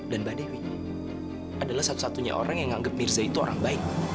dan mbak dewi adalah satu satunya orang yang nganggep mirza itu orang baik